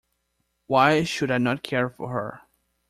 Why should I not care for her?